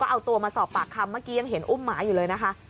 เอาตัวมาสอบปากคำเมื่อกี้ยังเห็นอุ้มหมาอยู่เลยนะคะ